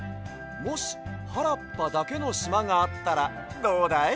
もしはらっぱだけのしまがあったらどうだい？